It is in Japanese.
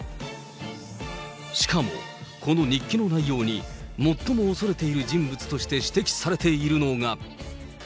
しかも、この日記の内容に、最もおそれている人物として指摘されているのが。